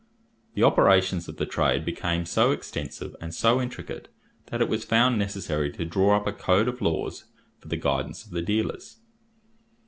The operations of the trade became so extensive and so intricate, that it was found necessary to draw up a code of laws for the guidance of the dealers.